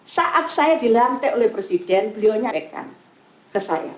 saat saya dilantik oleh presiden beliau nyarikan ke saya